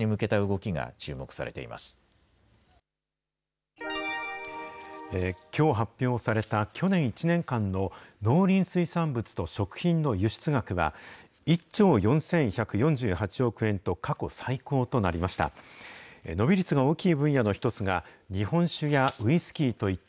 きょう発表された、去年１年間の農林水産物と食品の輸出額は、１兆４１４８億円と、過去最高となりました。